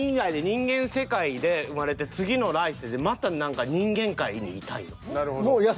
人間世界で生まれて次の来世でまた何か人間界にいたいの？